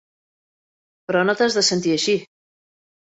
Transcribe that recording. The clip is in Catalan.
Però no t'has de sentir així.